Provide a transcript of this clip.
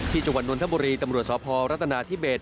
ที่จังหวัดนวลธมบุรีตำรวจสภรัฐนาธิเบศ